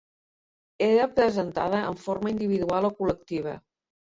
Era presentada de forma individual o col·lectiva.